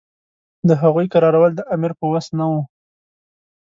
د هغوی کرارول د امیر په وس نه وو.